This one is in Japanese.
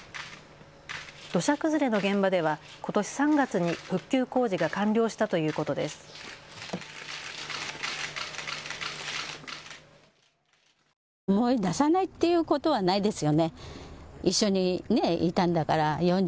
土砂崩れの現場ではことし３月に復旧工事が完了したということです。